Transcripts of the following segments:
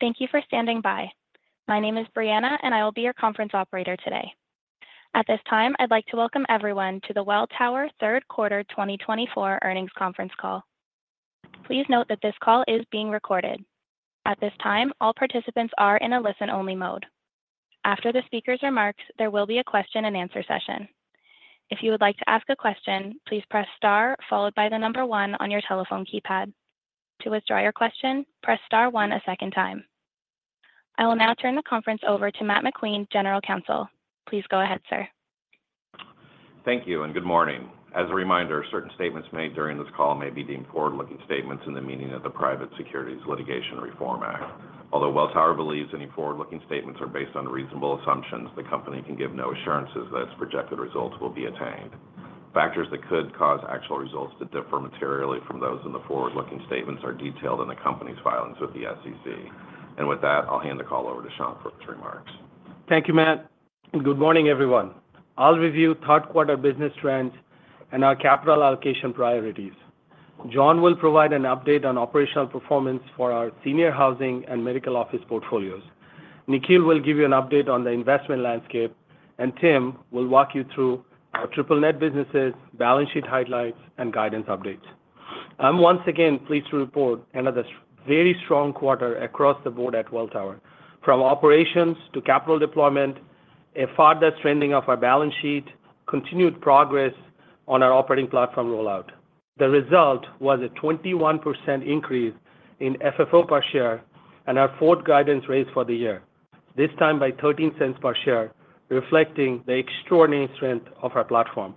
Thank you for standing by. My name is Brianna, and I will be your conference operator today. At this time, I'd like to welcome everyone to the Welltower Third Quarter 2024 earnings conference call. Please note that this call is being recorded. At this time, all participants are in a listen-only mode. After the speaker's remarks, there will be a question-and-answer session. If you would like to ask a question, please press star followed by the number one on your telephone keypad. To withdraw your question, press star one a second time. I will now turn the conference over to Matt McQueen, General Counsel. Please go ahead, sir. Thank you, and good morning. As a reminder, certain statements made during this call may be deemed forward-looking statements in the meaning of the Private Securities Litigation Reform Act. Although Welltower believes any forward-looking statements are based on reasonable assumptions, the company can give no assurances that its projected results will be attained. Factors that could cause actual results to differ materially from those in the forward-looking statements are detailed in the company's filings with the SEC, and with that, I'll hand the call over to Shankh for his remarks. Thank you, Matt. Good morning, everyone. I'll review third-quarter business trends and our capital allocation priorities. John will provide an update on operational performance for our senior housing and medical office portfolios. Nikhil will give you an update on the investment landscape, and Tim will walk you through our triple-net businesses, balance sheet highlights, and guidance updates. I'm once again pleased to report another very strong quarter across the board at Welltower. From operations to capital deployment, a further trending of our balance sheet, continued progress on our operating platform rollout. The result was a 21% increase in FFO per share and our forward guidance raised for the year, this time by $0.13 per share, reflecting the extraordinary strength of our platform.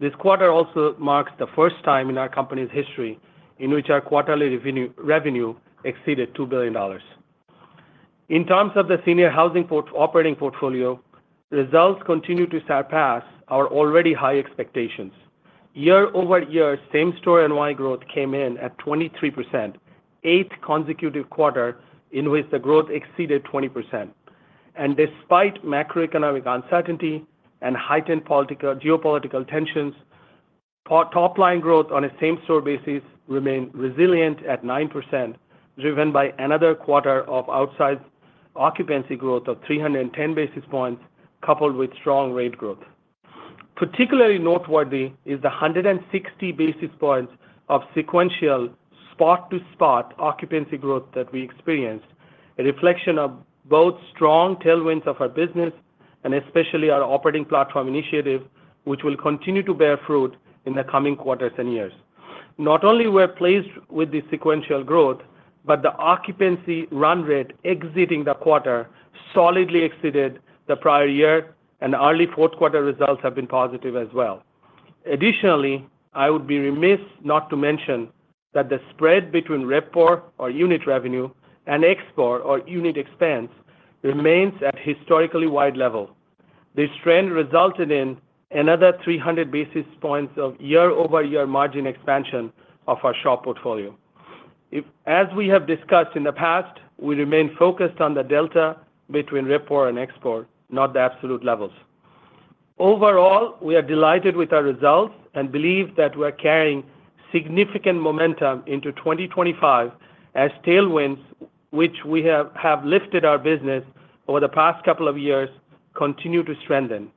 This quarter also marks the first time in our company's history in which our quarterly revenue exceeded $2 billion. In terms of the Senior Housing Operating portfolio, results continue to surpass our already high expectations. Year-over-year, same-store NOI growth came in at 23%, eighth consecutive quarter in which the growth exceeded 20%, and despite macroeconomic uncertainty and heightened geopolitical tensions, top-line growth on a same-store basis remained resilient at 9%, driven by another quarter of outsized occupancy growth of 310 basis points coupled with strong rate growth. Particularly noteworthy is the 160 basis points of sequential spot-to-spot occupancy growth that we experienced, a reflection of both strong tailwinds of our business and especially our operating platform initiative, which will continue to bear fruit in the coming quarters and years. Not only were we pleased with the sequential growth, but the occupancy run rate exceeding the quarter solidly exceeded the prior year, and early fourth-quarter results have been positive as well. Additionally, I would be remiss not to mention that the spread between RevPOR and ExPOR remains at historically wide levels. This trend resulted in another 300 basis points of year-over-year margin expansion of our SHOP portfolio. As we have discussed in the past, we remain focused on the delta between RevPOR and ExPOR, not the absolute levels. Overall, we are delighted with our results and believe that we are carrying significant momentum into 2025 as tailwinds which have lifted our business over the past couple of years continue to strengthen.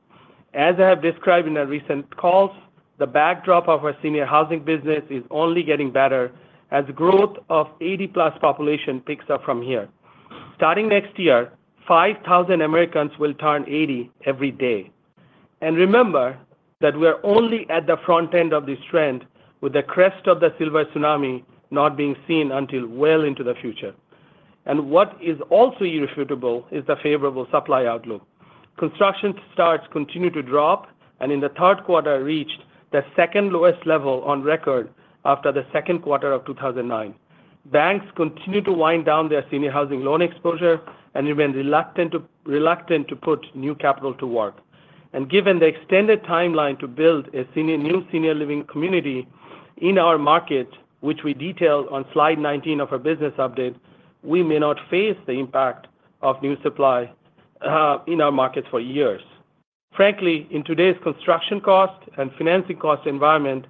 As I have described in our recent calls, the backdrop of our senior housing business is only getting better as growth of 80-plus population picks up from here. Starting next year, 5,000 Americans will turn 80 every day. And remember that we are only at the front end of this trend, with the crest of the Silver Tsunami not being seen until well into the future. And what is also irrefutable is the favorable supply outlook. Construction starts continue to drop, and in the third quarter, reached the second lowest level on record after the second quarter of 2009. Banks continue to wind down their senior housing loan exposure and remain reluctant to put new capital to work. And given the extended timeline to build a new senior living community in our market, which we detail on slide 19 of our business update, we may not face the impact of new supply in our markets for years. Frankly, in today's construction cost and financing cost environment,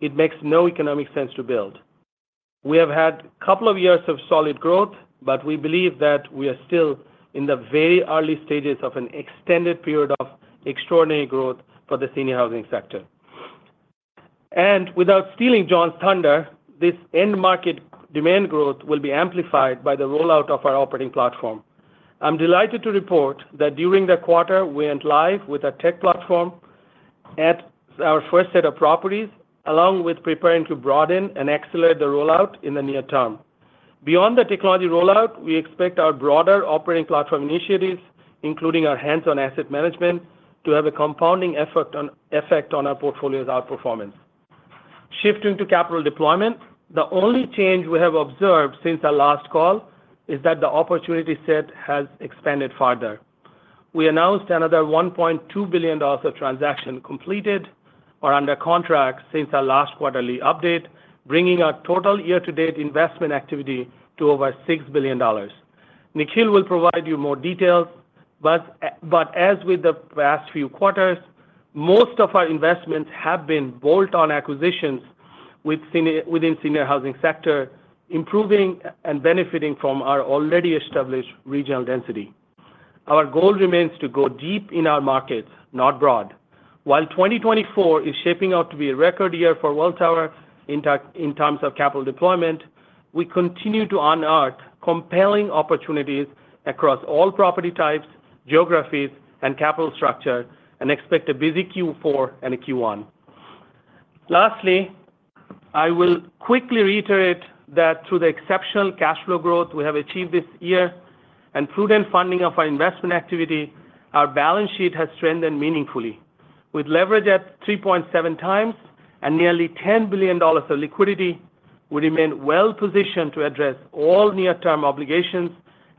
it makes no economic sense to build. We have had a couple of years of solid growth, but we believe that we are still in the very early stages of an extended period of extraordinary growth for the senior housing sector. And without stealing John's thunder, this end-market demand growth will be amplified by the rollout of our operating platform. I'm delighted to report that during the quarter, we went live with a tech platform at our first set of properties, along with preparing to broaden and accelerate the rollout in the near term. Beyond the technology rollout, we expect our broader operating platform initiatives, including our hands-on asset management, to have a compounding effect on our portfolio's outperformance. Shifting to capital deployment, the only change we have observed since our last call is that the opportunity set has expanded further. We announced another $1.2 billion of transactions completed or under contract since our last quarterly update, bringing our total year-to-date investment activity to over $6 billion. Nikhil will provide you more details, but as with the past few quarters, most of our investments have been bolt-on acquisitions within the senior housing sector, improving and benefiting from our already established regional density. Our goal remains to go deep in our markets, not broad. While 2024 is shaping up to be a record year for Welltower in terms of capital deployment, we continue to unearth compelling opportunities across all property types, geographies, and capital structure, and expect a busy Q4 and a Q1. Lastly, I will quickly reiterate that through the exceptional cash flow growth we have achieved this year and prudent funding of our investment activity, our balance sheet has strengthened meaningfully. With leverage at 3.7 times and nearly $10 billion of liquidity, we remain well-positioned to address all near-term obligations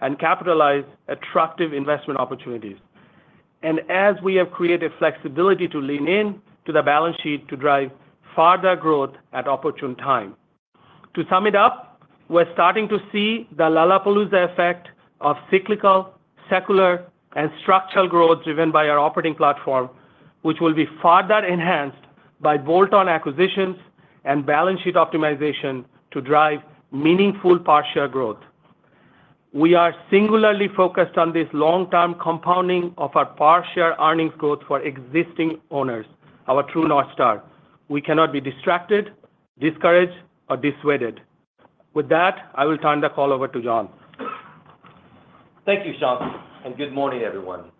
and capitalize attractive investment opportunities, and as we have created flexibility to lean into the balance sheet to drive further growth at opportune time. To sum it up, we're starting to see the Lollapalooza Effect of cyclical, secular, and structural growth driven by our operating platform, which will be further enhanced by bolt-on acquisitions and balance sheet optimization to drive meaningful per share growth. We are singularly focused on this long-term compounding of our per share earnings growth for existing owners, our true North Star. We cannot be distracted, discouraged, or dissuaded. With that, I will turn the call over to John. Thank you, Shankh, and good morning, everyone.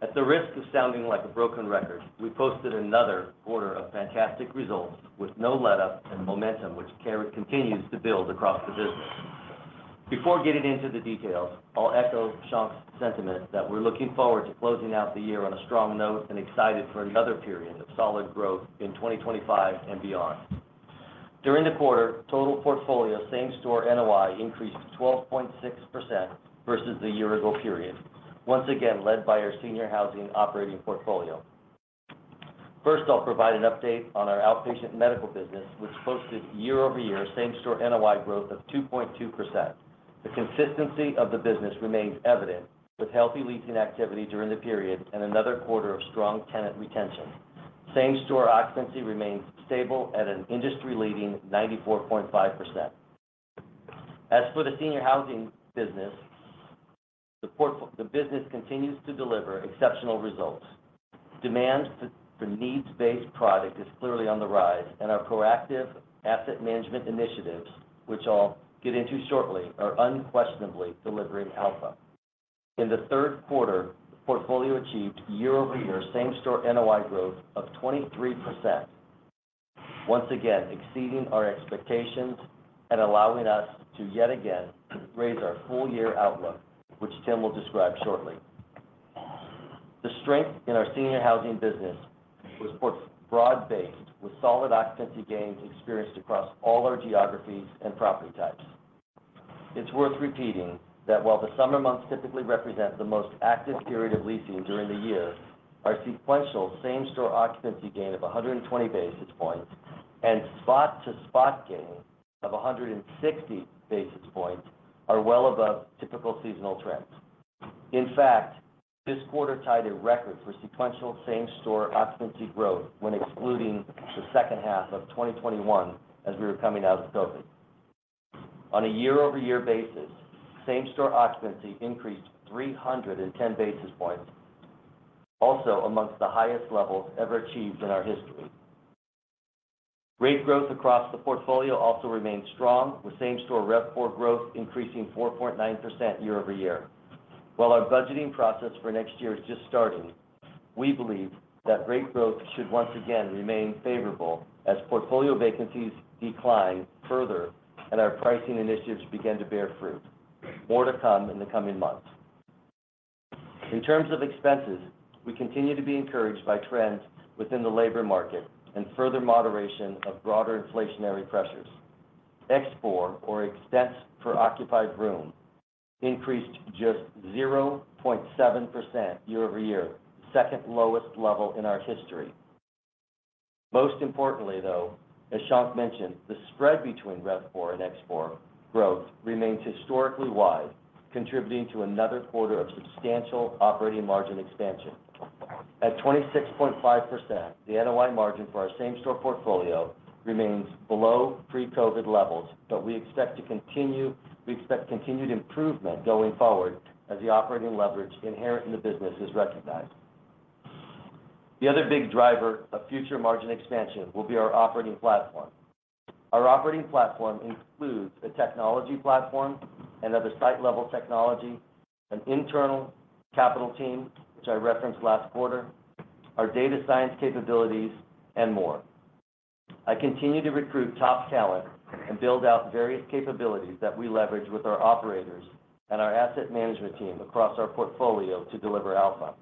At the risk of sounding like a broken record, we posted another quarter of fantastic results with no let-up and momentum, which continues to build across the business. Before getting into the details, I'll echo Shankh's sentiment that we're looking forward to closing out the year on a strong note and excited for another period of solid growth in 2025 and beyond. During the quarter, total portfolio same-store NOI increased 12.6% versus the year-ago period, once again led by our Senior Housing Operating portfolio. First, I'll provide an update on our outpatient medical business, which posted year-over-year same-store NOI growth of 2.2%. The consistency of the business remains evident with healthy leasing activity during the period and another quarter of strong tenant retention. Same-store occupancy remains stable at an industry-leading 94.5%. As for the senior housing business, the business continues to deliver exceptional results. Demand for needs-based product is clearly on the rise, and our proactive asset management initiatives, which I'll get into shortly, are unquestionably delivering alpha. In the third quarter, the portfolio achieved year-over-year same-store NOI growth of 23%, once again exceeding our expectations and allowing us to yet again raise our full-year outlook, which Tim will describe shortly. The strength in our senior housing business was broad-based, with solid occupancy gains experienced across all our geographies and property types. It's worth repeating that while the summer months typically represent the most active period of leasing during the year, our sequential same-store occupancy gain of 120 basis points and spot-to-spot gain of 160 basis points are well above typical seasonal trends. In fact, this quarter tied a record for sequential same-store occupancy growth when excluding the second half of 2021 as we were coming out of COVID. On a year-over-year basis, same-store occupancy increased 310 basis points, also amongst the highest levels ever achieved in our history. Rate growth across the portfolio also remained strong, with same-store RevPOR growth increasing 4.9% year-over-year. While our budgeting process for next year is just starting, we believe that rate growth should once again remain favorable as portfolio vacancies decline further and our pricing initiatives begin to bear fruit. More to come in the coming months. In terms of expenses, we continue to be encouraged by trends within the labor market and further moderation of broader inflationary pressures. ExPOR, or expense per occupied room, increased just 0.7% year-over-year, the second lowest level in our history. Most importantly, though, as Shankh mentioned, the spread between RevPOR and ExPOR growth remains historically wide, contributing to another quarter of substantial operating margin expansion. At 26.5%, the NOI margin for our same-store portfolio remains below pre-COVID levels, but we expect continued improvement going forward as the operating leverage inherent in the business is recognized. The other big driver of future margin expansion will be our operating platform. Our operating platform includes a technology platform and other site-level technology, an internal capital team, which I referenced last quarter, our data science capabilities, and more. I continue to recruit top talent and build out various capabilities that we leverage with our operators and our asset management team across our portfolio to deliver alpha.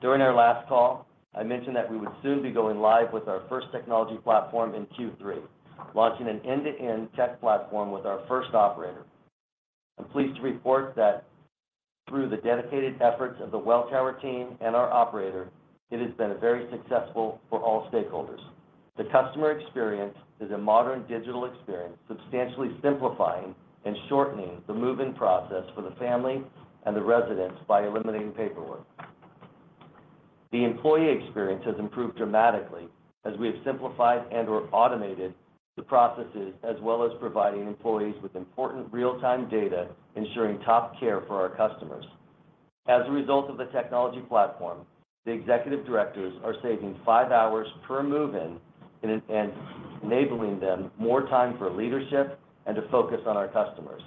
During our last call, I mentioned that we would soon be going live with our first technology platform in Q3, launching an end-to-end tech platform with our first operator. I'm pleased to report that through the dedicated efforts of the Welltower team and our operator, it has been very successful for all stakeholders. The customer experience is a modern digital experience, substantially simplifying and shortening the move-in process for the family and the residents by eliminating paperwork. The employee experience has improved dramatically as we have simplified and/or automated the processes, as well as providing employees with important real-time data, ensuring top care for our customers. As a result of the technology platform, the executive directors are saving five hours per move-in and enabling them more time for leadership and to focus on our customers.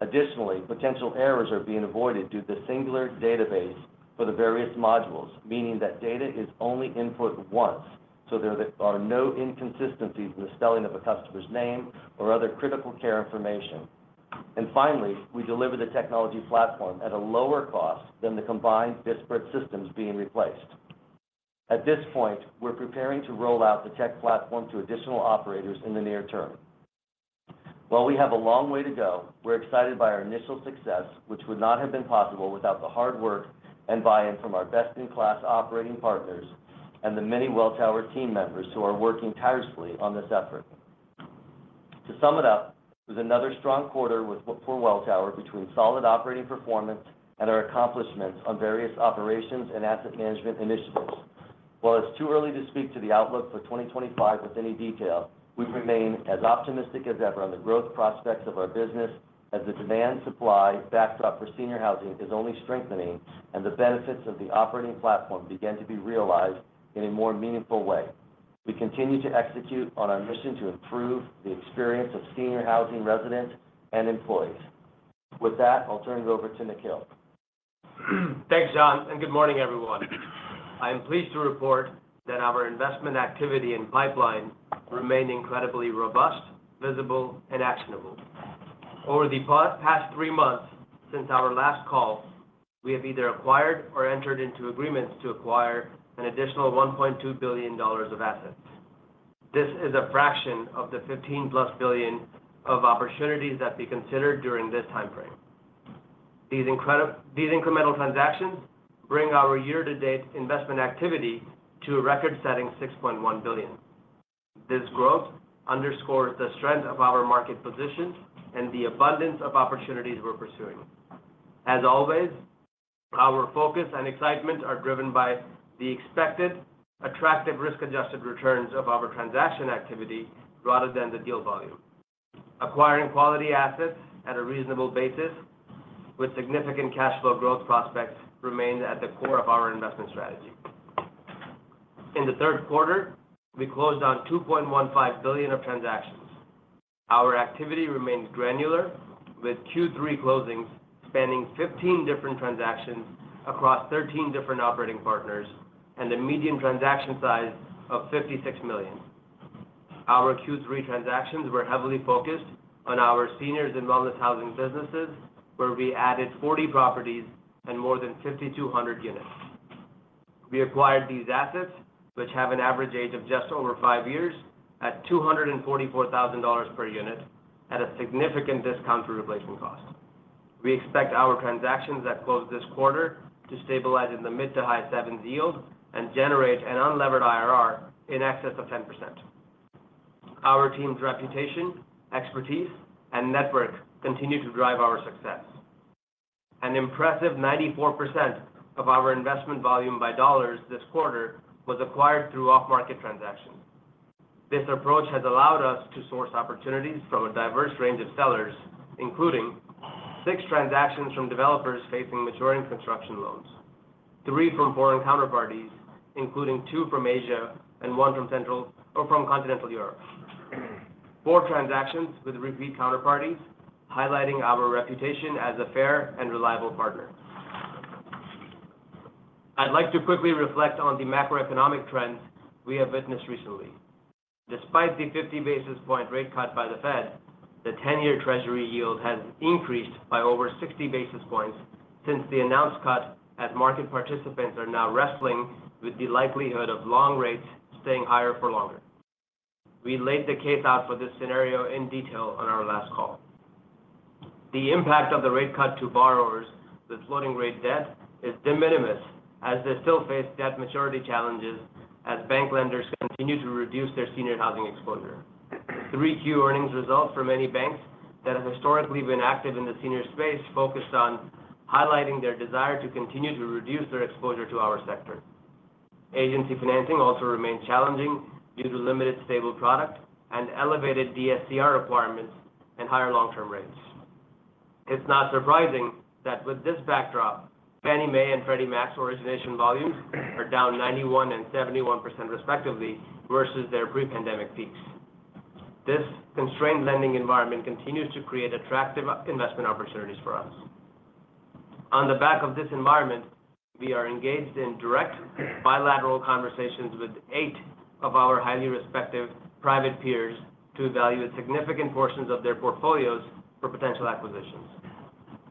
Additionally, potential errors are being avoided due to the singular database for the various modules, meaning that data is only input once, so there are no inconsistencies in the spelling of a customer's name or other critical care information. And finally, we deliver the technology platform at a lower cost than the combined disparate systems being replaced. At this point, we're preparing to roll out the tech platform to additional operators in the near term. While we have a long way to go, we're excited by our initial success, which would not have been possible without the hard work and buy-in from our best-in-class operating partners and the many Welltower team members who are working tirelessly on this effort. To sum it up, it was another strong quarter for Welltower between solid operating performance and our accomplishments on various operations and asset management initiatives. While it's too early to speak to the outlook for 2025 with any detail, we remain as optimistic as ever on the growth prospects of our business as the demand-supply backdrop for senior housing is only strengthening and the benefits of the operating platform begin to be realized in a more meaningful way. We continue to execute on our mission to improve the experience of senior housing residents and employees. With that, I'll turn it over to Nikhil. Thanks, John, and good morning, everyone. I am pleased to report that our investment activity and pipeline remain incredibly robust, visible, and actionable. Over the past three months since our last call, we have either acquired or entered into agreements to acquire an additional $1.2 billion of assets. This is a fraction of the $15+ billion of opportunities that we considered during this time frame. These incremental transactions bring our year-to-date investment activity to a record-setting $6.1 billion. This growth underscores the strength of our market positions and the abundance of opportunities we're pursuing. As always, our focus and excitement are driven by the expected attractive risk-adjusted returns of our transaction activity rather than the deal volume. Acquiring quality assets at a reasonable basis with significant cash flow growth prospects remains at the core of our investment strategy. In the third quarter, we closed down $2.15 billion of transactions. Our activity remained granular, with Q3 closings spanning 15 different transactions across 13 different operating partners and a median transaction size of $56 million. Our Q3 transactions were heavily focused on our seniors and Wellness Housing businesses, where we added 40 properties and more than 5,200 units. We acquired these assets, which have an average age of just over five years, at $244,000 per unit at a significant discount for replacement cost. We expect our transactions that closed this quarter to stabilize in the mid- to high-sevens yield and generate an unlevered IRR in excess of 10%. Our team's reputation, expertise, and network continue to drive our success. An impressive 94% of our investment volume by dollars this quarter was acquired through off-market transactions. This approach has allowed us to source opportunities from a diverse range of sellers, including six transactions from developers facing maturing construction loans, three from foreign counterparties, including two from Asia and one from Central or Continental Europe, four transactions with repeat counterparties, highlighting our reputation as a fair and reliable partner. I'd like to quickly reflect on the macroeconomic trends we have witnessed recently. Despite the 50 basis point rate cut by the Fed, the 10-year Treasury yield has increased by over 60 basis points since the announced cut, as market participants are now wrestling with the likelihood of long rates staying higher for longer. We laid the case out for this scenario in detail on our last call. The impact of the rate cut to borrowers with floating rate debt is de minimis as they still face debt maturity challenges as bank lenders continue to reduce their senior housing exposure. Q3 earnings results for many banks that have historically been active in the senior space focused on highlighting their desire to continue to reduce their exposure to our sector. Agency financing also remains challenging due to limited stable product and elevated DSCR requirements and higher long-term rates. It's not surprising that with this backdrop, Fannie Mae and Freddie Mac's origination volumes are down 91% and 71% respectively versus their pre-pandemic peaks. This constrained lending environment continues to create attractive investment opportunities for us. On the back of this environment, we are engaged in direct bilateral conversations with eight of our highly respected private peers to evaluate significant portions of their portfolios for potential acquisitions.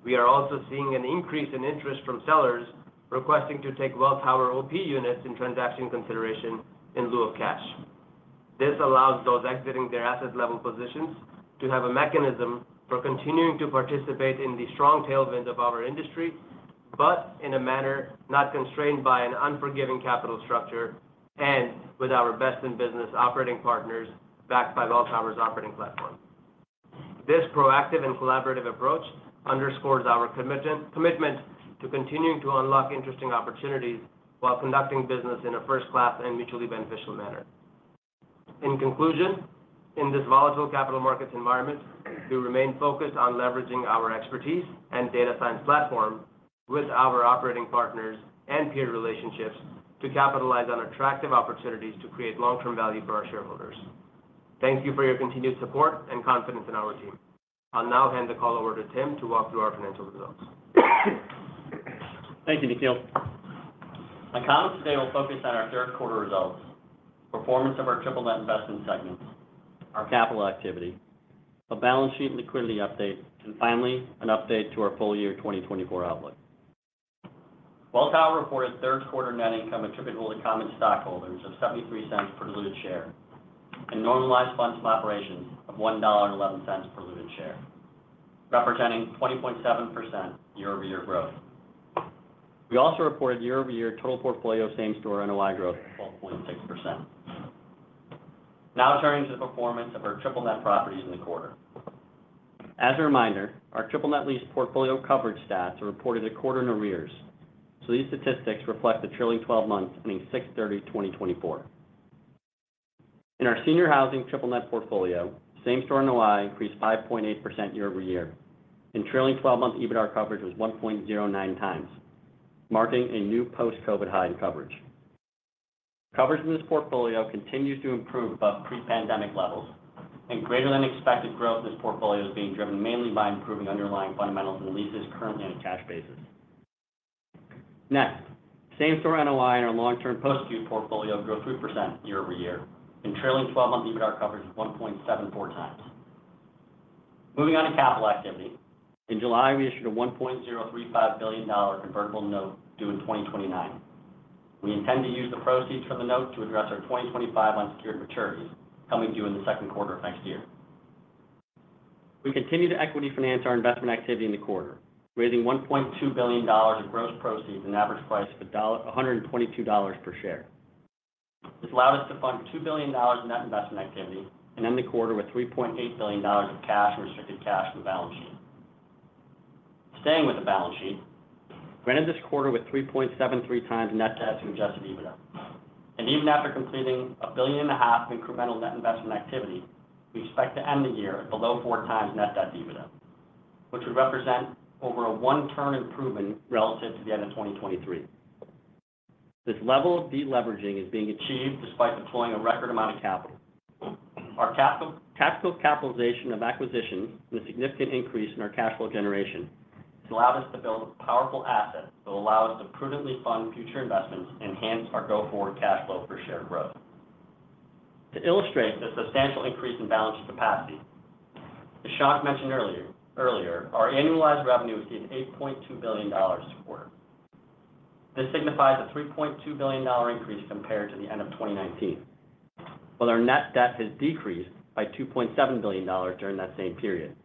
We are also seeing an increase in interest from sellers requesting to take Welltower OP units in transaction consideration in lieu of cash. This allows those exiting their asset-level positions to have a mechanism for continuing to participate in the strong tailwind of our industry, but in a manner not constrained by an unforgiving capital structure and with our best-in-business operating partners backed by Welltower's operating platform. This proactive and collaborative approach underscores our commitment to continuing to unlock interesting opportunities while conducting business in a first-class and mutually beneficial manner. In conclusion, in this volatile capital markets environment, we remain focused on leveraging our expertise and data science platform with our operating partners and peer relationships to capitalize on attractive opportunities to create long-term value for our shareholders. Thank you for your continued support and confidence in our team. I'll now hand the call over to Tim to walk through our financial results. Thank you, Nikhil. My comments today will focus on our third-quarter results, performance of our triple-net investment segments, our capital activity, a balance sheet liquidity update, and finally, an update to our full-year 2024 outlook. Welltower reported third-quarter net income attributable to common stockholders of $0.73 per diluted share and normalized funds from operations of $1.11 per diluted share, representing 20.7% year-over-year growth. We also reported year-over-year total portfolio same-store NOI growth of 12.6%. Now turning to the performance of our triple-net properties in the quarter. As a reminder, our triple-net lease portfolio coverage stats are reported a quarter in arrears, so these statistics reflect the trailing 12 months ending 6/30/2024. In our Senior Housing Triple-Net portfolio, same-store NOI increased 5.8% year-over-year, and trailing 12-month EBITDA coverage was 1.09 times, marking a new post-COVID high in coverage. Coverage in this portfolio continues to improve above pre-pandemic levels, and greater-than-expected growth in this portfolio is being driven mainly by improving underlying fundamentals and leases currently on a cash basis. Next, same-store NOI in our Long-Term Post-Acute portfolio portfolio grew 3% year-over-year, and trailing 12-month EBITDA coverage was 1.74 times. Moving on to capital activity, in July, we issued a $1.035 billion convertible note due in 2029. We intend to use the proceeds from the note to address our 2025 unsecured maturities coming due in the second quarter of next year. We continue to equity finance our investment activity in the quarter, raising $1.2 billion of gross proceeds and average price of $122 per share. This allowed us to fund $2 billion of net investment activity and end the quarter with $3.8 billion of cash and restricted cash on the balance sheet. Staying with the balance sheet, we ended this quarter with 3.73 times net debt to Adjusted EBITDA. And even after completing $1.5 billion incremental net investment activity, we expect to end the year at below four times net debt to EBITDA, which would represent over a one-turn improvement relative to the end of 2023. This level of deleveraging is being achieved despite deploying a record amount of capital. Our capital allocation of acquisitions and the significant increase in our cash flow generation has allowed us to build a powerful asset that will allow us to prudently fund future investments and enhance our go-forward cash flow for share growth. To illustrate the substantial increase in balance of capacity, as Shankh mentioned earlier, our annualized revenue exceeded $8.2 billion this quarter. This signifies a $3.2 billion increase compared to the end of 2019, while our net debt has decreased by $2.7 billion during that same period,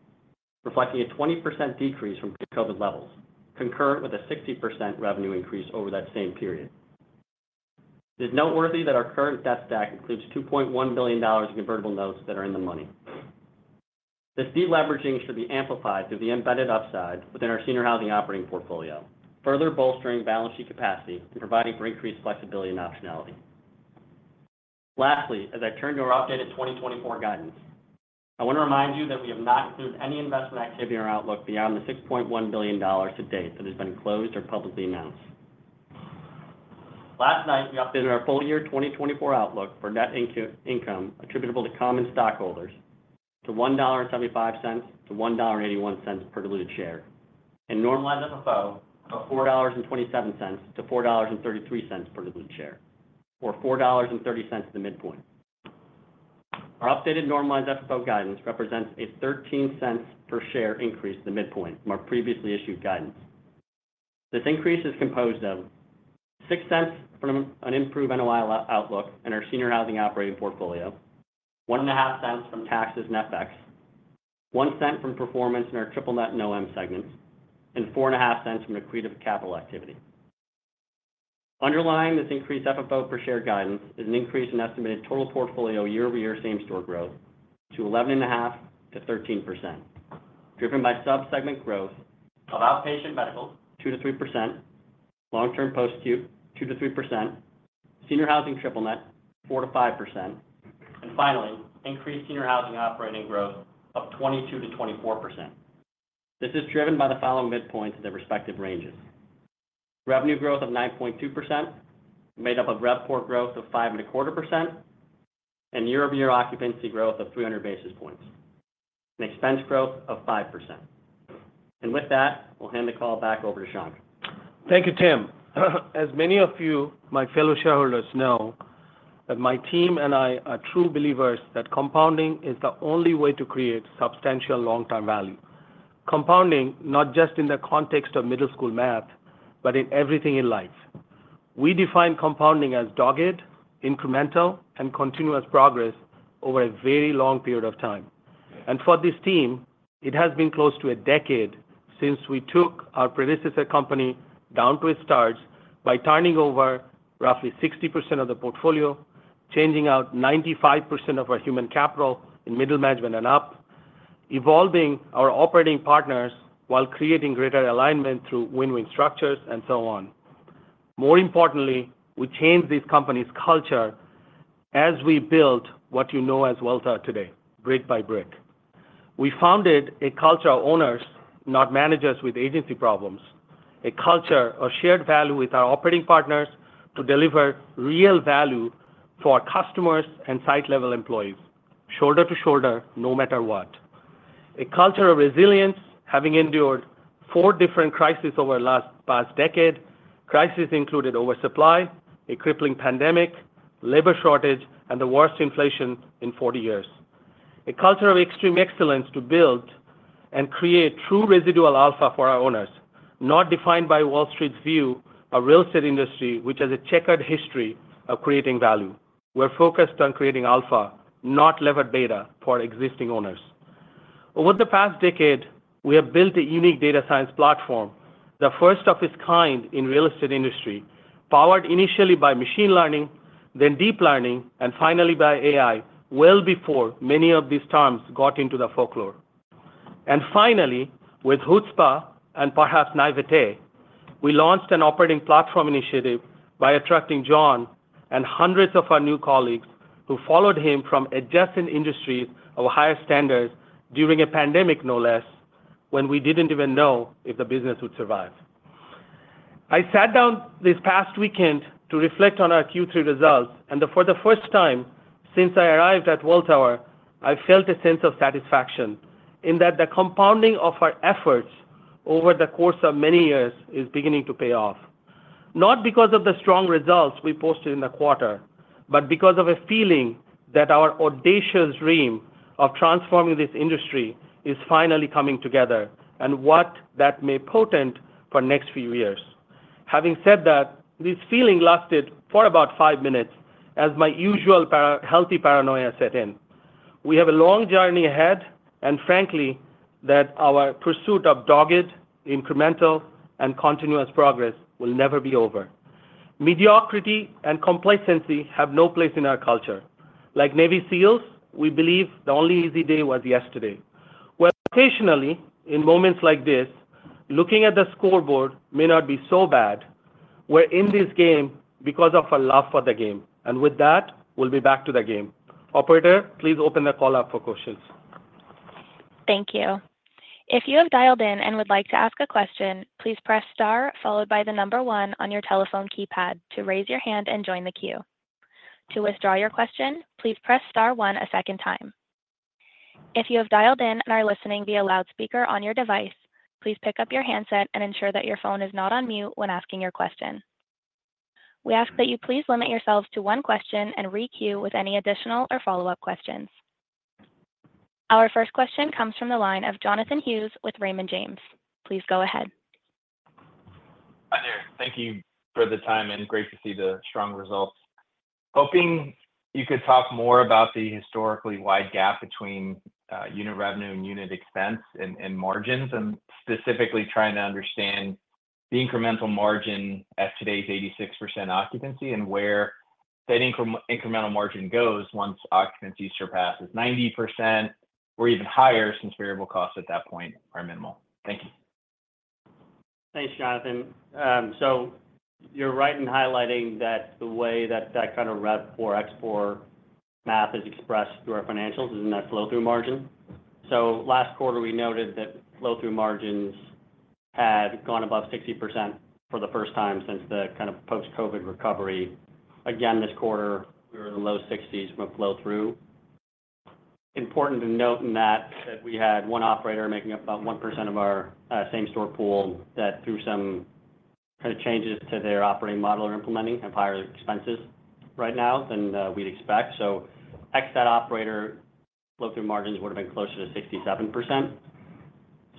reflecting a 20% decrease from pre-COVID levels, concurrent with a 60% revenue increase over that same period. It is noteworthy that our current debt stack includes $2.1 billion in convertible notes that are in the money. This deleveraging should be amplified through the embedded upside within our Senior Housing Operating portfolio, further bolstering balance sheet capacity and providing for increased flexibility and optionality. Lastly, as I turn to our updated 2024 guidance, I want to remind you that we have not included any investment activity in our outlook beyond the $6.1 billion to date that has been closed or publicly announced. Last night, we updated our full-year 2024 outlook for net income attributable to common stockholders to $1.75-$1.81 per diluted share and normalized FFO of $4.27-$4.33 per diluted share, or $4.30 to the midpoint. Our updated normalized FFO guidance represents a $0.13 per share increase to the midpoint from our previously issued guidance. This increase is composed of $0.06 from an improved NOI outlook in our Senior Housing Operating portfolio, $0.015 from taxes and FX, $0.01 from performance in our triple-net and OM segments, and $0.045 from accretive capital activity. Underlying this increased FFO per share guidance is an increase in estimated total portfolio year-over-year same-store growth to 11.5%-13%, driven by subsegment growth of Outpatient Medical 2%-3%, Long-Term Post-Acute 2%-3%, Senior Housing Triple-Net 4%-5%, and finally, increased Senior Housing Operating growth of 22%-24%. This is driven by the following midpoints of their respective ranges: revenue growth of 9.2%, made up of RevPOR growth of 5.25%, and year-over-year occupancy growth of 300 basis points, and expense growth of 5%. And with that, we'll hand the call back over to Shankh. Thank you, Tim. As many of you, my fellow shareholders, know, my team and I are true believers that compounding is the only way to create substantial long-term value. Compounding, not just in the context of middle school math, but in everything in life. We define compounding as dogged, incremental, and continuous progress over a very long period of time. And for this team, it has been close to a decade since we took our predecessor company down to its studs by turning over roughly 60% of the portfolio, changing out 95% of our human capital in middle management and up, evolving our operating partners while creating greater alignment through win-win structures, and so on. More importantly, we changed these companies' culture as we built what you know as Welltower today, brick by brick. We founded a culture of owners, not managers with agency problems, a culture of shared value with our operating partners to deliver real value for our customers and site-level employees, shoulder to shoulder, no matter what. A culture of resilience, having endured four different crises over the past decade, crises included oversupply, a crippling pandemic, labor shortage, and the worst inflation in 40 years. A culture of extreme excellence to build and create true residual alpha for our owners, not defined by Wall Street's view of real estate industry, which has a checkered history of creating value. We're focused on creating alpha, not levered beta, for existing owners. Over the past decade, we have built a unique data science platform, the first of its kind in the real estate industry, powered initially by machine learning, then deep learning, and finally by AI, well before many of these terms got into the folklore. And finally, with chutzpah and perhaps naïveté, we launched an operating platform initiative by attracting John and hundreds of our new colleagues who followed him from adjacent industries of higher standards during a pandemic, no less, when we didn't even know if the business would survive. I sat down this past weekend to reflect on our Q3 results, and for the first time since I arrived at Welltower, I felt a sense of satisfaction in that the compounding of our efforts over the course of many years is beginning to pay off, not because of the strong results we posted in the quarter, but because of a feeling that our audacious dream of transforming this industry is finally coming together and what that may portend for next few years. Having said that, this feeling lasted for about five minutes as my usual healthy paranoia set in. We have a long journey ahead, and frankly, that our pursuit of dogged, incremental, and continuous progress will never be over. Mediocrity and complacency have no place in our culture. Like Navy SEALs, we believe the only easy day was yesterday. Where occasionally, in moments like this, looking at the scoreboard may not be so bad. We're in this game because of our love for the game. With that, we'll be back to the game. Operator, please open the call up for questions. Thank you. If you have dialed in and would like to ask a question, please press star followed by the number one on your telephone keypad to raise your hand and join the queue. To withdraw your question, please press star one a second time. If you have dialed in and are listening via loudspeaker on your device, please pick up your handset and ensure that your phone is not on mute when asking your question. We ask that you please limit yourselves to one question and re-queue with any additional or follow-up questions. Our first question comes from the line of Jonathan Hughes with Raymond James. Please go ahead. Hi there. Thank you for the time, and great to see the strong results. Hoping you could talk more about the historically wide gap between unit revenue and unit expense and margins, and specifically trying to understand the incremental margin at today's 86% occupancy and where that incremental margin goes once occupancy surpasses 90% or even higher since variable costs at that point are minimal? Thank you. Thanks, Jonathan. You're right in highlighting that the way that that kind of RevPOR / ExPOR math is expressed through our financials is in that flow-through margin. Last quarter, we noted that flow-through margins had gone above 60% for the first time since the kind of post-COVID recovery. Again, this quarter, we were in the low 60s with flow-through. Important to note that we had one operator making up about 1% of our same-store pool that, through some kind of changes to their operating model, are implementing higher expenses right now than we'd expect. So X that operator, flow-through margins would have been closer to 67%.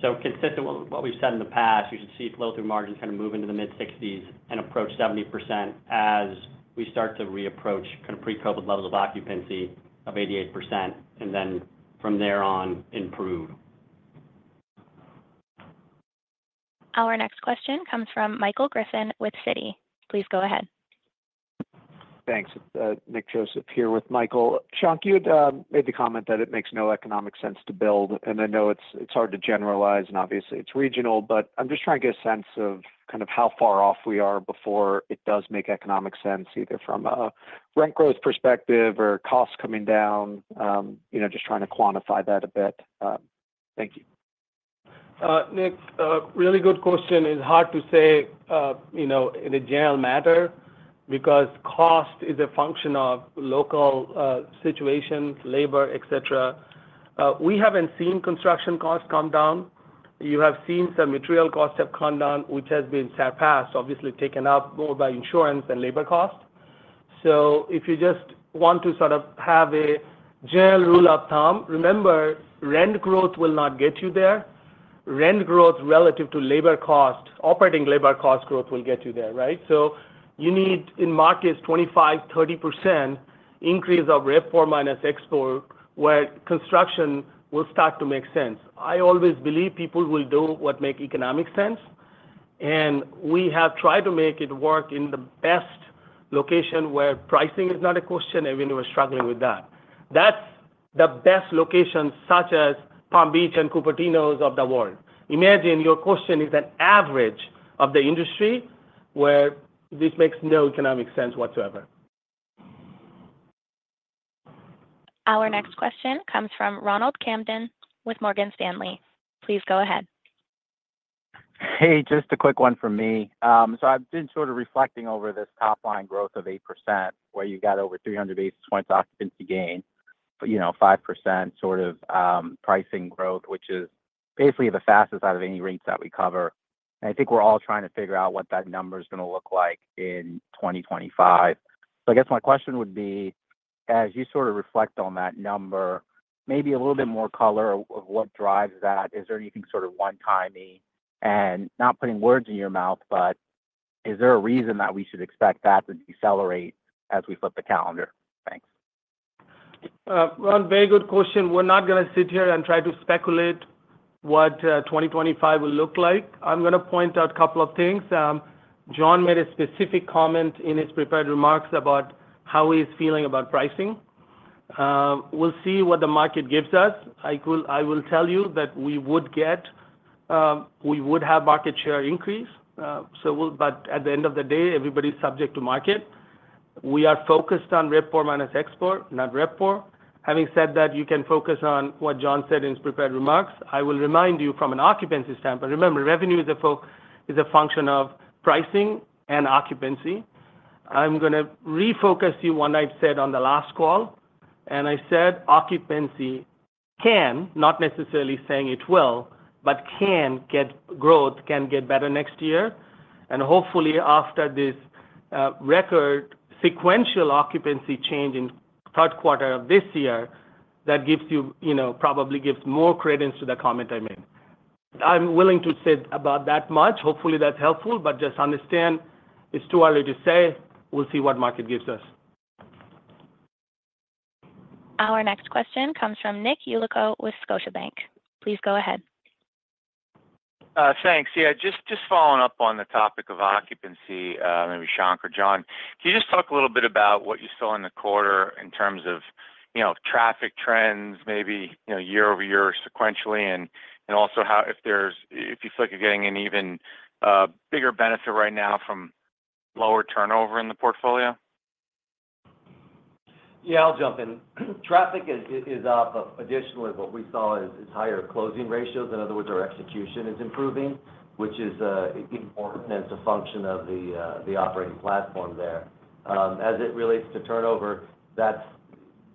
So consistent with what we've said in the past, you should see flow-through margins kind of move into the mid-60s and approach 70% as we start to re-approach kind of pre-COVID levels of occupancy of 88%, and then from there on improve. Our next question comes from Michael Griffin with Citi. Please go ahead. Thanks. Nick Joseph here with Michael. Shankh, you had made the comment that it makes no economic sense to build, and I know it's hard to generalize, and obviously, it's regional, but I'm just trying to get a sense of kind of how far off we are before it does make economic sense, either from a rent growth perspective or costs coming down, just trying to quantify that a bit. Thank you. Nick, really good question. It's hard to say in a general matter because cost is a function of local situation, labor, etc. We haven't seen construction costs come down. You have seen some material costs have come down, which has been surpassed, obviously taken up more by insurance than labor costs. So if you just want to sort of have a general rule of thumb, remember, rent growth will not get you there. Rent growth relative to labor cost, operating labor cost growth will get you there, right? So you need, in my case, 25%-30% increase of RevPOR minus ExPOR where construction will start to make sense. I always believe people will do what makes economic sense, and we have tried to make it work in the best location where pricing is not a question even though we're struggling with that. That's the best location, such as Palm Beach and Cupertino of the world. Imagine your question is an average of the industry where this makes no economic sense whatsoever. Our next question comes from Ronald Kamdem with Morgan Stanley. Please go ahead. Hey, just a quick one from me. So I've been sort of reflecting over this top-line growth of 8% where you got over 300 basis points occupancy gain, 5% sort of pricing growth, which is basically the fastest out of any rates that we cover. And I think we're all trying to figure out what that number is going to look like in 2025. So I guess my question would be, as you sort of reflect on that number, maybe a little bit more color of what drives that. Is there anything sort of one-timey? And not putting words in your mouth, but is there a reason that we should expect that to decelerate as we flip the calendar? Thanks. Ron, very good question. We're not going to sit here and try to speculate what 2025 will look like. I'm going to point out a couple of things. John made a specific comment in his prepared remarks about how he is feeling about pricing. We'll see what the market gives us. I will tell you that we would have market share increase. But at the end of the day, everybody's subject to market. We are focused on RevPOR minus ExPOR, not RevPOR. Having said that, you can focus on what John said in his prepared remarks. I will remind you from an occupancy standpoint, remember, revenue is a function of pricing and occupancy. I'm going to refocus you on what I've said on the last call, and I said occupancy can, not necessarily saying it will, but can get growth, can get better next year. Hopefully, after this record sequential occupancy change in the third quarter of this year, that probably gives more credence to the comment I made. I'm willing to say about that much. Hopefully, that's helpful, but just understand it's too early to say. We'll see what the market gives us. Our next question comes from Nick Yulico with Scotiabank. Please go ahead. Thanks. Yeah, just following up on the topic of occupancy, maybe Shankh or John, can you just talk a little bit about what you saw in the quarter in terms of traffic trends, maybe year-over-year sequentially, and also if you feel like you're getting an even bigger benefit right now from lower turnover in the portfolio? Yeah, I'll jump in. Traffic is up. Additionally, what we saw is higher closing ratios. In other words, our execution is improving, which is important as a function of the operating platform there. As it relates to turnover, that's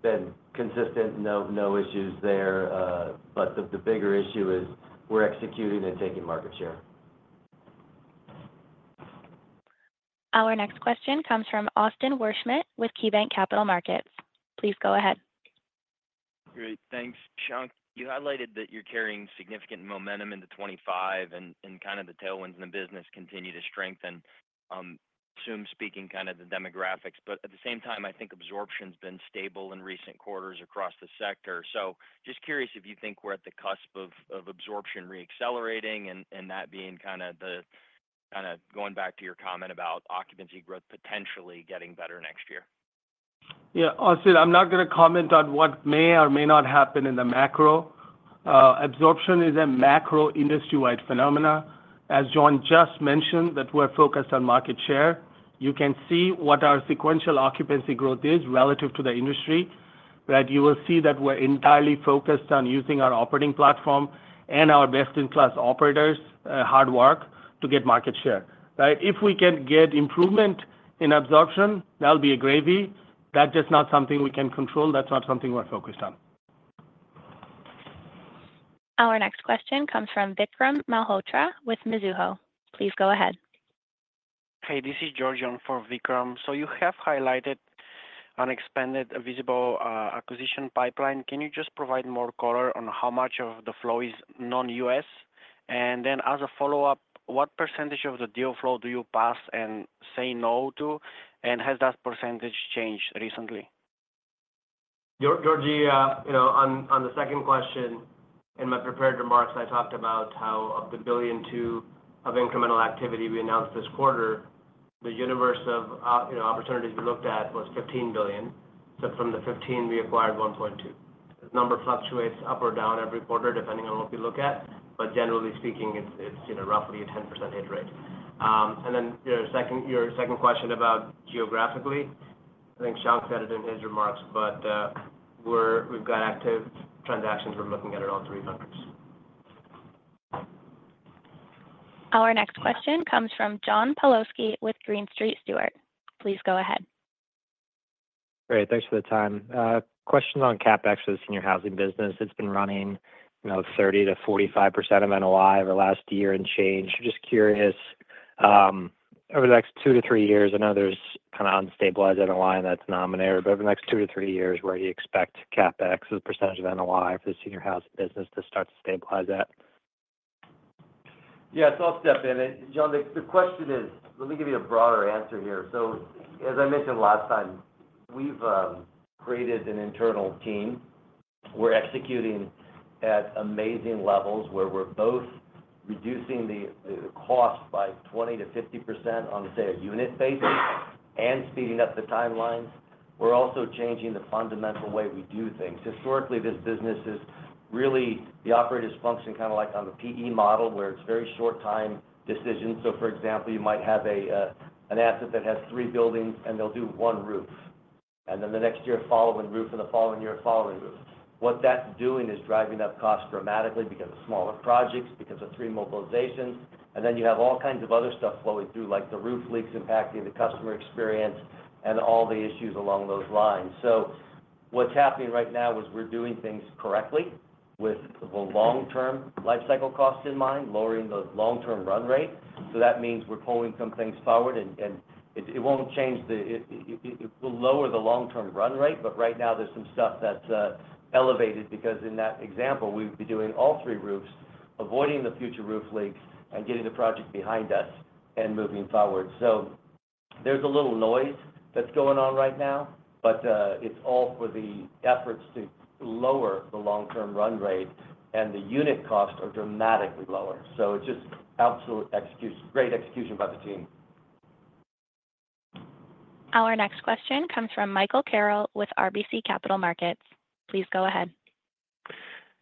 been consistent. No issues there. But the bigger issue is we're executing and taking market share. Our next question comes from Austin Wurschmidt with KeyBanc Capital Markets. Please go ahead. Great. Thanks, Shankh. You highlighted that you're carrying significant momentum into 2025, and kind of the tailwinds in the business continue to strengthen, assuming speaking kind of the demographics. But at the same time, I think absorption has been stable in recent quarters across the sector. So just curious if you think we're at the cusp of absorption re-accelerating and that being kind of going back to your comment about occupancy growth potentially getting better next year. Yeah, Austin, I'm not going to comment on what may or may not happen in the macro. Absorption is a macro industry-wide phenomenon. As John just mentioned, that we're focused on market share. You can see what our sequential occupancy growth is relative to the industry. You will see that we're entirely focused on using our operating platform and our best-in-class operators' hard work to get market share. If we can get improvement in absorption, that'll be a gravy. That's just not something we can control. That's not something we're focused on. Our next question comes from Vikram Malhotra with Mizuho. Please go ahead. Hey, this is Georgi Dinkov for Vikram. So you have highlighted an expanded visible acquisition pipeline. Can you just provide more color on how much of the flow is non-U.S.? And then as a follow-up, what percentage of the deal flow do you pass and say no to, and has that percentage changed recently? Georgie, on the second question, in my prepared remarks, I talked about how of the $1.2 billion of incremental activity we announced this quarter, the universe of opportunities we looked at was $15 billion. So from the 15, we acquired $1.2. The number fluctuates up or down every quarter depending on what we look at, but generally speaking, it's roughly a 10% hit rate. And then your second question about geographically, I think Shankh said it in his remarks, but we've got active transactions. We're looking at it all three countries. Our next question comes from John Pawlowski with Green Street. Please go ahead. Great. Thanks for the time. Question on CapEx for the senior housing business. It's been running 30%-45% of NOI over the last year and change. Just curious, over the next two to three years, I know there's kind of unstabilized NOI in that denominator, but over the next two to three years, where do you expect CapEx as a percentage of NOI for the senior housing business to start to stabilize at? Yeah, so I'll step in, and John, the question is, let me give you a broader answer here, so as I mentioned last time, we've created an internal team. We're executing at amazing levels where we're both reducing the cost by 20%-50% on, say, a unit basis and speeding up the timelines. We're also changing the fundamental way we do things. Historically, this business is really the operators function kind of like on the PE model where it's very short-time decisions. So for example, you might have an asset that has three buildings, and they'll do one roof. And then the next year, a following roof, and the following year, a following roof. What that's doing is driving up costs dramatically because of smaller projects, because of three mobilizations. Then you have all kinds of other stuff flowing through, like the roof leaks impacting the customer experience and all the issues along those lines. What's happening right now is we're doing things correctly with the long-term lifecycle costs in mind, lowering the long-term run rate. That means we're pulling some things forward, and it won't change the, it will lower the long-term run rate, but right now, there's some stuff that's elevated because in that example, we'd be doing all three roofs, avoiding the future roof leaks, and getting the project behind us and moving forward. There's a little noise that's going on right now, but it's all for the efforts to lower the long-term run rate, and the unit costs are dramatically lower. It's just absolute execution, great execution by the team. Our next question comes from Michael Carroll with RBC Capital Markets. Please go ahead.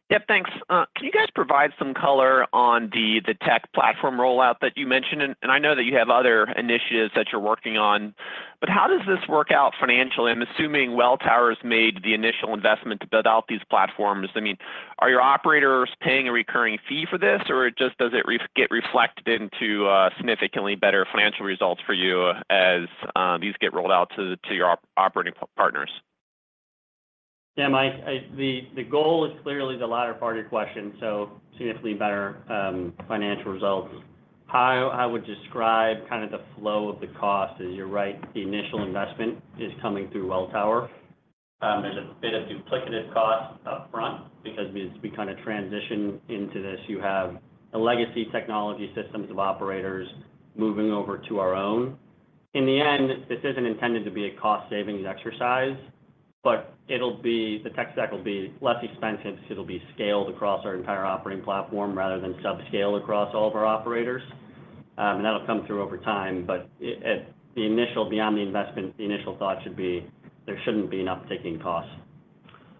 Yep, thanks. Can you guys provide some color on the tech platform rollout that you mentioned? And I know that you have other initiatives that you're working on, but how does this work out financially? I'm assuming Welltower has made the initial investment to build out these platforms. I mean, are your operators paying a recurring fee for this, or just does it get reflected into significantly better financial results for you as these get rolled out to your operating partners? Yeah, Mike, the goal is clearly the latter part of your question, so significantly better financial results. How I would describe kind of the flow of the cost is you're right, the initial investment is coming through Welltower. There's a bit of duplicative cost upfront because we kind of transition into this. You have the legacy technology systems of operators moving over to our own. In the end, this isn't intended to be a cost-savings exercise, but the tech stack will be less expensive because it'll be scaled across our entire operating platform rather than subscaled across all of our operators. And that'll come through over time. But the initial beyond the investment, the initial thought should be there shouldn't be an uptick in costs.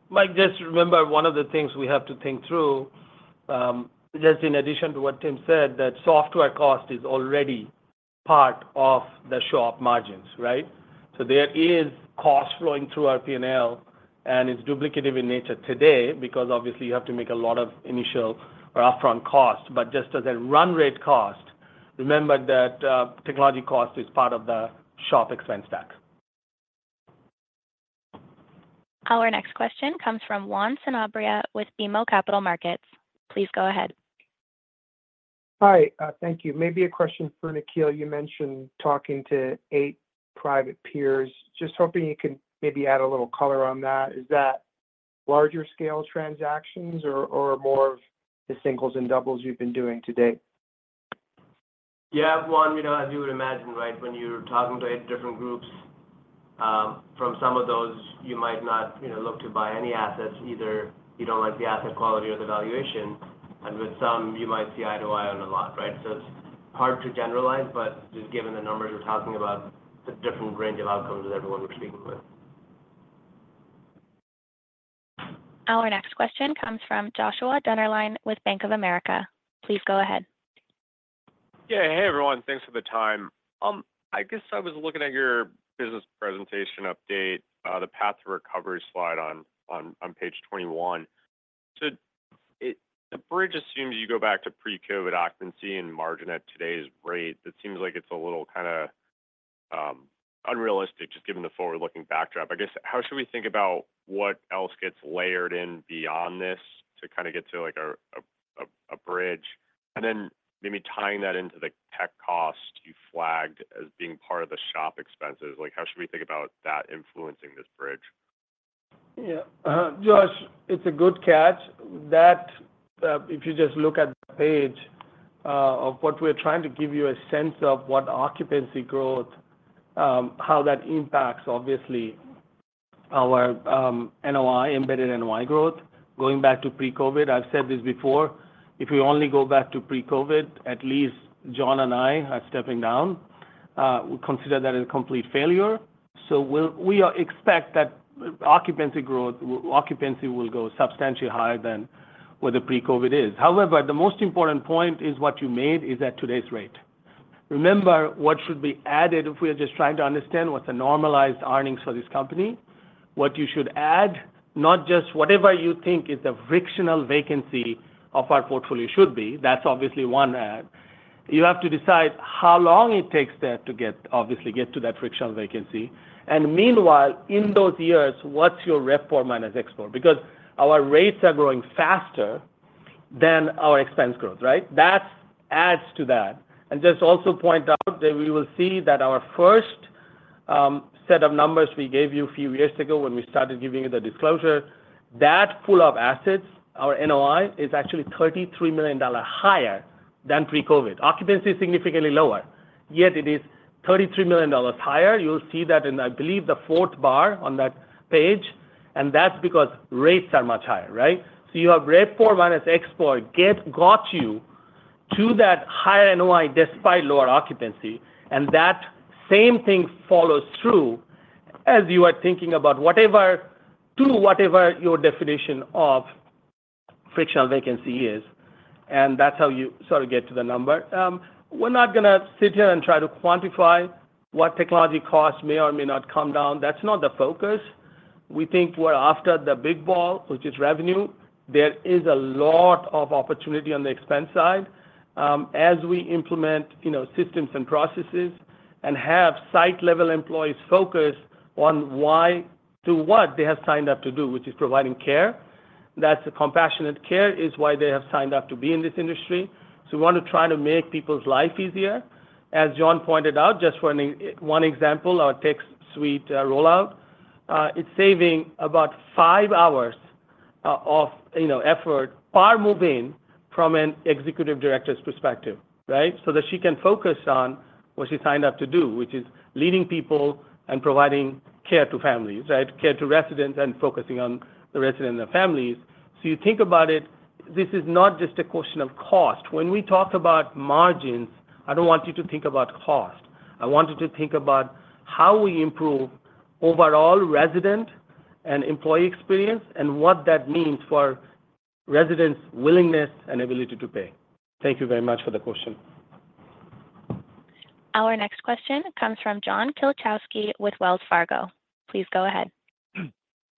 Mike, just remember one of the things we have to think through, just in addition to what Tim said, that software cost is already part of the SHOP margins, right? So there is cost flowing through our P&L, and it's duplicative in nature today because obviously, you have to make a lot of initial or upfront costs. But just as a run rate cost, remember that technology cost is part of the SHOP expense stack. Our next question comes from Juan Sanabria with BMO Capital Markets. Please go ahead. Hi, thank you. Maybe a question for Nikhil. You mentioned talking to eight private peers. Just hoping you can maybe add a little color on that. Is that larger-scale transactions or more of the singles and doubles you've been doing to date? Yeah, Juan, as you would imagine, right, when you're talking to eight different groups, from some of those, you might not look to buy any assets. Either you don't like the asset quality or the valuation. And with some, you might see eye-to-eye on a lot, right? So it's hard to generalize, but just given the numbers we're talking about, the different range of outcomes that everyone we're speaking with. Our next question comes from Joshua Dennerlein with Bank of America. Please go ahead. Yeah, hey everyone. Thanks for the time. I guess I was looking at your business presentation update, the path to recovery slide on page 21. The bridge assumes you go back to pre-COVID occupancy and margin at today's rate. It seems like it's a little kind of unrealistic just given the forward-looking backdrop. I guess how should we think about what else gets layered in beyond this to kind of get to a bridge? And then maybe tying that into the tech cost you flagged as being part of the SHOP expenses. How should we think about that influencing this bridge? Yeah, Josh, it's a good catch. If you just look at the page of what we're trying to give you a sense of what occupancy growth, how that impacts obviously our embedded NOI growth going back to pre-COVID. I've said this before. If we only go back to pre-COVID, at least John and I are stepping down. We consider that a complete failure. So we expect that occupancy will go substantially higher than what the pre-COVID is. However, the most important point is what you made is at today's rate. Remember what should be added if we are just trying to understand what's the normalized earnings for this company, what you should add, not just whatever you think is the frictional vacancy of our portfolio should be. That's obviously one add. You have to decide how long it takes to obviously get to that frictional vacancy. And meanwhile, in those years, what's your RevPOR minus ExPOR? Because our rates are growing faster than our expense growth, right? That adds to that. And just also point out that we will see that our first set of numbers we gave you a few years ago when we started giving you the disclosure, that pool of assets, our NOI is actually $33 million higher than pre-COVID. Occupancy is significantly lower, yet it is $33 million higher. You'll see that in, I believe, the fourth bar on that page. And that's because rates are much higher, right? So you have RevPOR minus ExPOR got you to that higher NOI despite lower occupancy. And that same thing follows through as you are thinking about to whatever your definition of frictional vacancy is. And that's how you sort of get to the number. We're not going to sit here and try to quantify what technology costs may or may not come down. That's not the focus. We think we're after the big ball, which is revenue. There is a lot of opportunity on the expense side as we implement systems and processes and have site-level employees focus on what they have signed up to do, which is providing care. That's compassionate care is why they have signed up to be in this industry. So we want to try to make people's life easier. As John pointed out, just for one example, our tech suite rollout, it's saving about five hours of effort per move-in from an executive director's perspective, right? So that she can focus on what she signed up to do, which is leading people and providing care to families, right? Care to residents and focusing on the residents and their families, so you think about it, this is not just a question of cost. When we talk about margins, I don't want you to think about cost. I want you to think about how we improve overall resident and employee experience and what that means for residents' willingness and ability to pay. Thank you very much for the question. Our next question comes from John Kilichowski with Wells Fargo. Please go ahead.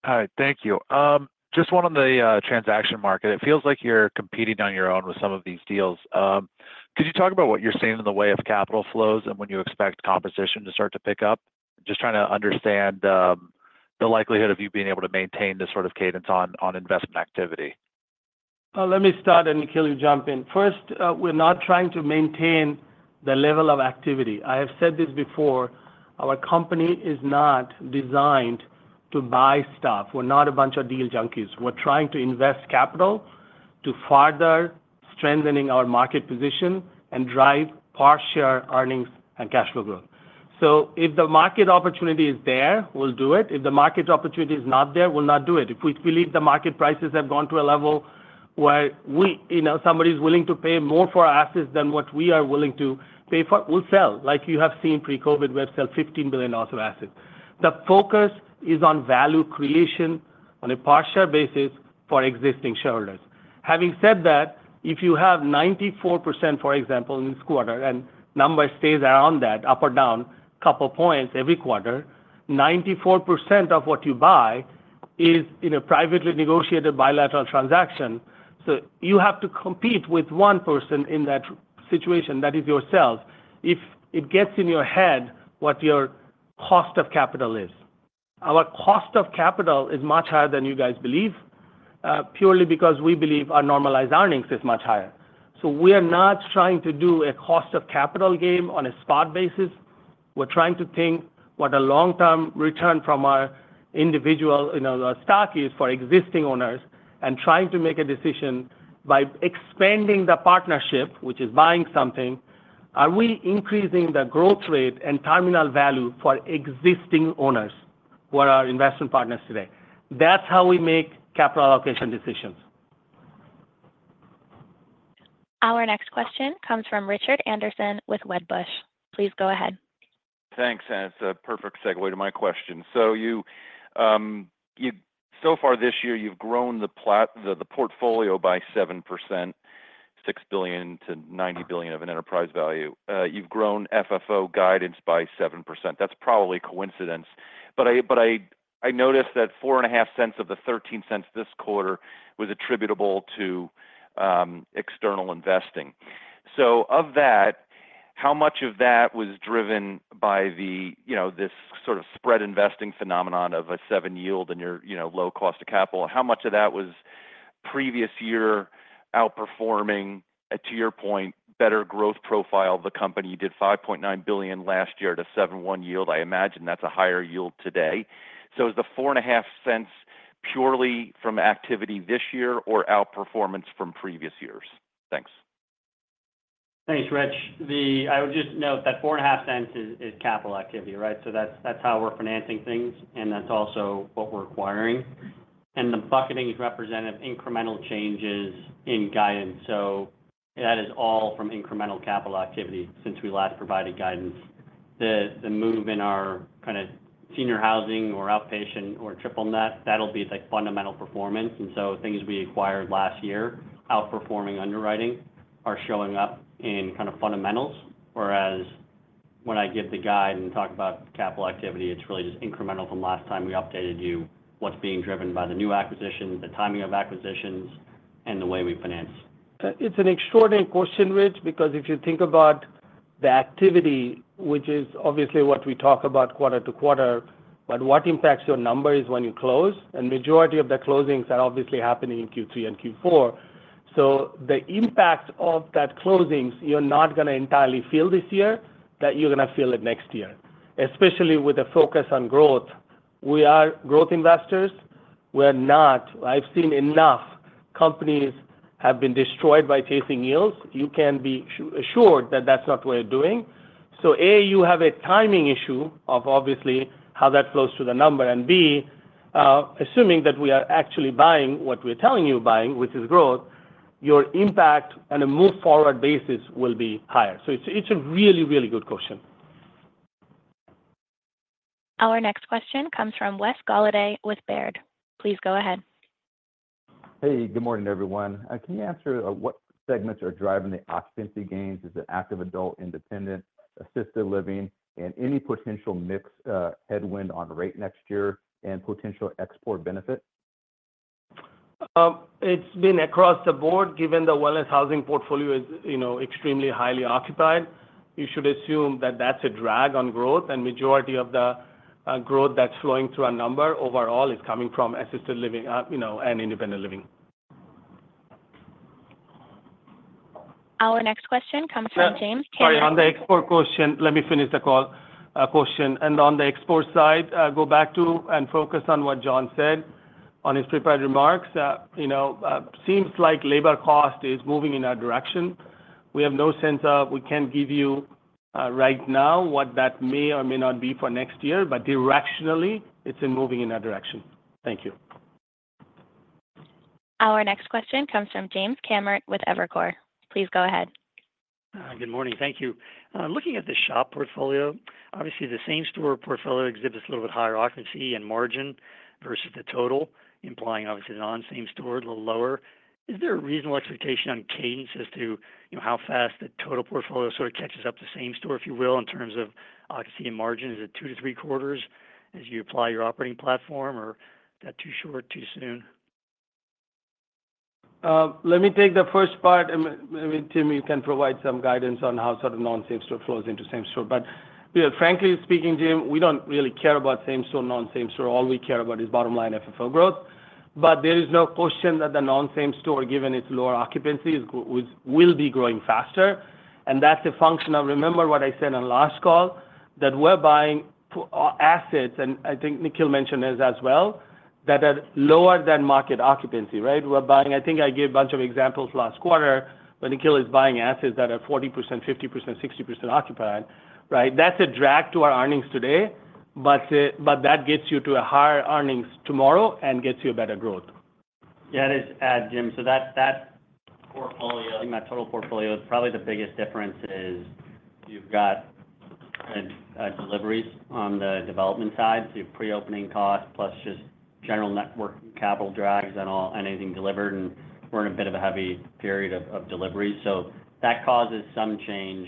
All right, thank you. Just one on the transaction market. It feels like you're competing on your own with some of these deals. Could you talk about what you're seeing in the way of capital flows and when you expect competition to start to pick up? Just trying to understand the likelihood of you being able to maintain this sort of cadence on investment activity. Let me start and Nikhil, you jump in. First, we're not trying to maintain the level of activity. I have said this before. Our company is not designed to buy stuff. We're not a bunch of deal junkies. We're trying to invest capital to further strengthen our market position and drive per-share earnings and cash flow growth. So if the market opportunity is there, we'll do it. If the market opportunity is not there, we'll not do it. If we believe the market prices have gone to a level where somebody is willing to pay more for assets than what we are willing to pay for, we'll sell. Like you have seen pre-COVID, we have sold $15 billion in assets. The focus is on value creation on a per-share basis for existing shareholders. Having said that, if you have 94%, for example, in this quarter, and [the] number stays around that, up or down, a couple points every quarter, 94% of what you buy is in a privately negotiated bilateral transaction. So you have to compete with one person in that situation. That is yourself. If it gets in your head what your cost of capital is. Our cost of capital is much higher than you guys believe purely because we believe our normalized earnings is much higher. So we are not trying to do a cost of capital game on a spot basis. We're trying to think what a long-term return from our individual stock is for existing owners and trying to make a decision by expanding the partnership, which is buying something. Are we increasing the growth rate and terminal value for existing owners who are our investment partners today? That's how we make capital allocation decisions. Our next question comes from Richard Anderson with Wedbush. Please go ahead. Thanks. And it's a perfect segue to my question. So so far this year, you've grown the portfolio by 7%, $6 billion-$90 billion of an enterprise value. You've grown FFO guidance by 7%. That's probably coincidence. But I noticed that $0.045 of the $0.13 this quarter was attributable to external investing. So of that, how much of that was driven by this sort of spread investing phenomenon of a 7% yield and your low cost of capital? How much of that was previous year outperforming, to your point, better growth profile of the company? You did $5.9 billion last year at a 7.1% yield. I imagine that's a higher yield today. So is the $0.045 purely from activity this year or outperformance from previous years? Thanks. Thanks, Rich. I would just note that $0.045 is capital activity, right? So that's how we're financing things, and that's also what we're acquiring. And the bucketing is representative incremental changes in guidance. So that is all from incremental capital activity since we last provided guidance. The move in our kind of senior housing or outpatient or triple net, that'll be fundamental performance. And so things we acquired last year, outperforming underwriting, are showing up in kind of fundamentals. Whereas when I give the guide and talk about capital activity, it's really just incremental from last time we updated you, what's being driven by the new acquisitions, the timing of acquisitions, and the way we finance. It's an extraordinary question, Rich, because if you think about the activity, which is obviously what we talk about quarter to quarter, but what impacts your numbers when you close? And majority of the closings are obviously happening in Q3 and Q4. So the impact of that closings, you're not going to entirely feel this year, that you're going to feel it next year, especially with a focus on growth. We are growth investors. I've seen enough companies have been destroyed by chasing yields. You can be assured that that's not what you're doing. So A, you have a timing issue of obviously how that flows to the number. And B, assuming that we are actually buying what we're telling you buying, which is growth, your impact on a move forward basis will be higher. So it's a really, really good question. Our next question comes from Wes Golladay with Baird. Please go ahead. Hey, good morning, everyone. Can you answer what segments are driving the occupancy gains? Is it active adult, independent, assisted living, and any potential mixed headwind on rate next year and potential ExPOR benefit? It's been across the board. Given the Wellness Housing portfolio is extremely highly occupied, you should assume that that's a drag on growth, and majority of the growth that's flowing through our number overall is coming from assisted living and independent living. Our next question comes from James Kammert. Sorry, on the ExPOR question, let me finish the core question. On the ExPOR side, go back to and focus on what John said on his prepared remarks. Seems like labor cost is moving in our direction. We have no sense; we can't give you right now what that may or may not be for next year, but directionally, it's moving in our direction. Thank you. Our next question comes from James Kammert with Evercore. Please go ahead. Good morning. Thank you. Looking at the SHOP portfolio, obviously the same-store portfolio exhibits a little bit higher occupancy and margin versus the total, implying obviously the non-same-store is a little lower. Is there a reasonable expectation on cadence as to how fast the total portfolio sort of catches up to same-store, if you will, in terms of occupancy and margin? Is it two to three quarters as you apply your operating platform, or is that too short, too soon? Let me take the first part. I mean, Tim, you can provide some guidance on how sort of non-same store flows into same store. But frankly speaking, Jim, we don't really care about same store, non-same store. All we care about is bottom line FFO growth. But there is no question that the non-same store, given its lower occupancy, will be growing faster. And that's a function of, remember what I said on last call, that we're buying assets, and I think Nikhil mentioned this as well, that are lower than market occupancy, right? I think I gave a bunch of examples last quarter, but Nikhil is buying assets that are 40%, 50%, 60% occupied, right? That's a drag to our earnings today, but that gets you to a higher earnings tomorrow and gets you a better growth. Yeah, it is, Jim, so that portfolio, my total portfolio, probably the biggest difference is you've got deliveries on the development side, so your pre-opening cost plus just general net working capital drags on anything delivered. And we're in a bit of a heavy period of deliveries. So that causes some change.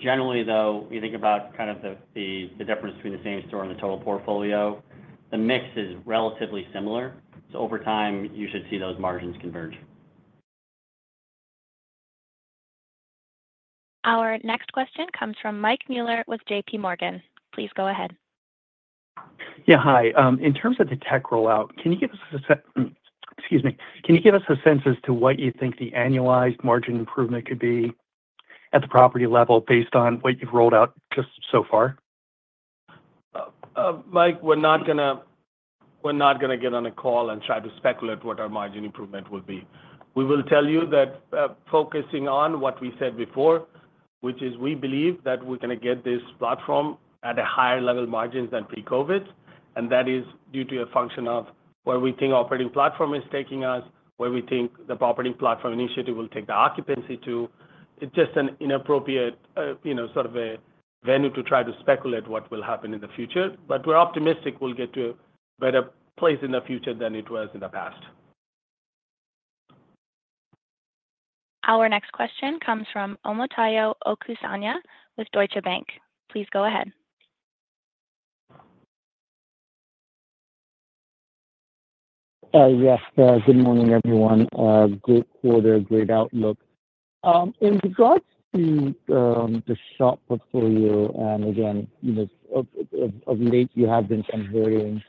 Generally, though, you think about kind of the difference between the same store and the total portfolio, the mix is relatively similar. So over time, you should see those margins converge. Our next question comes from Mike Mueller with JPMorgan. Please go ahead. Yeah, hi. In terms of the tech rollout, can you give us a sense, excuse me, can you give us a sense as to what you think the annualized margin improvement could be at the property level based on what you've rolled out just so far? Mike, we're not going to get on a call and try to speculate what our margin improvement will be. We will tell you that focusing on what we said before, which is we believe that we're going to get this platform at a higher level margins than pre-COVID. And that is due to a function of where we think operating platform is taking us, where we think the operating platform initiative will take the occupancy to. It's just an inappropriate sort of a venue to try to speculate what will happen in the future. But we're optimistic we'll get to a better place in the future than it was in the past. Our next question comes from Omotayo Okusanya with Deutsche Bank. Please go ahead. Yes, good morning, everyone. Great quarter, great outlook. In regards to the SHOP portfolio, and again, of late, you have been converting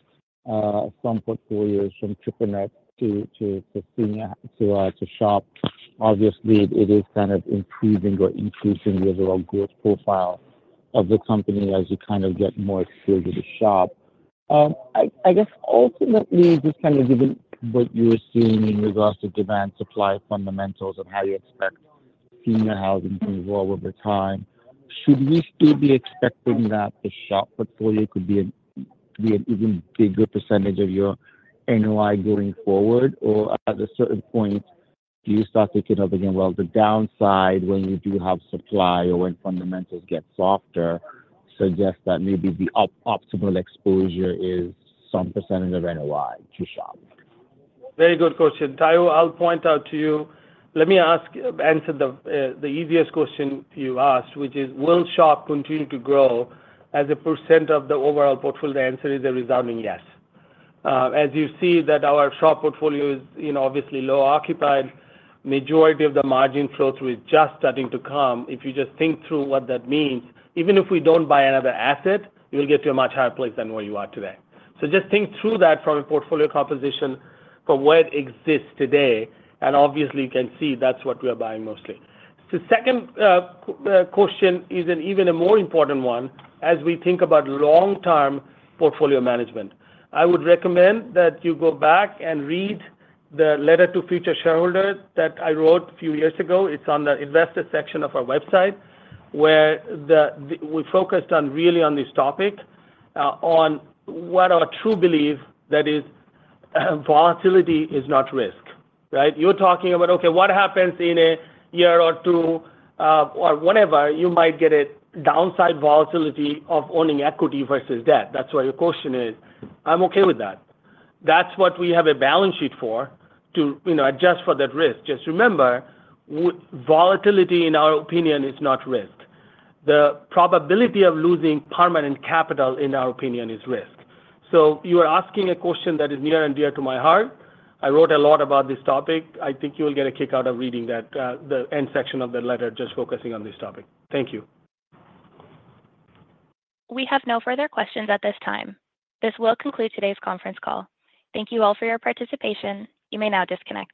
some portfolios from triple-net to senior to SHOP. Obviously, it is kind of improving or increasing the overall growth profile of the company as you kind of get more exposure to SHOP. I guess ultimately, just kind of given what you're seeing in regards to demand-supply fundamentals and how you expect senior housing to evolve over time, should we still be expecting that the SHOP portfolio could be an even bigger percentage of your NOI going forward? Or at a certain point, do you start thinking of, again, well, the downside when you do have supply or when fundamentals get softer suggests that maybe the optimal exposure is some percentage of NOI to SHOP? Very good question. I'll point out to you. Let me answer the easiest question you asked, which is, will SHOP continue to grow as a percent of the overall portfolio? The answer is a resounding yes. As you see that our SHOP portfolio is obviously low occupied, majority of the margin flow through is just starting to come. If you just think through what that means, even if we don't buy another asset, you'll get to a much higher place than where you are today. So just think through that from a portfolio composition for where it exists today. And obviously, you can see that's what we are buying mostly. The second question is an even more important one as we think about long-term portfolio management. I would recommend that you go back and read the letter to future shareholders that I wrote a few years ago. It's on the investor section of our website where we focused on really on this topic on what our true belief that is volatility is not risk, right? You're talking about, okay, what happens in a year or two or whatever? You might get a downside volatility of owning equity versus debt. That's why your question is. I'm okay with that. That's what we have a balance sheet for to adjust for that risk. Just remember, volatility, in our opinion, is not risk. The probability of losing permanent capital, in our opinion, is risk. So you are asking a question that is near and dear to my heart. I wrote a lot about this topic. I think you will get a kick out of reading the end section of the letter just focusing on this topic. Thank you. We have no further questions at this time. This will conclude today's conference call. Thank you all for your participation. You may now disconnect.